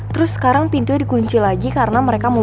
terus sekarang pintunya dikunci lagi karena mereka mau